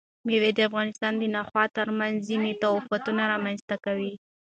مېوې د افغانستان د ناحیو ترمنځ ځینې تفاوتونه رامنځ ته کوي.